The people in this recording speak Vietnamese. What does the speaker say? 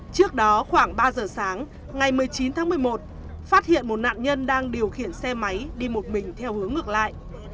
trước đó khoảng ba giờ sáng ngày một mươi chín tháng một mươi một phát hiện một nạn nhân đang điều khiển xe máy đi một mình theo hướng ngược lại